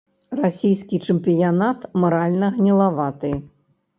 Расійскі чэмпіянат маральна гнілаваты.